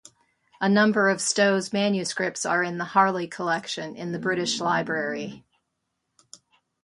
A number of Stow's manuscripts are in the Harley Collection in the British Library.